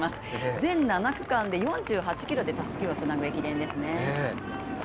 全７区間で４８ｋｍでたすきをつなぐ駅伝ですね。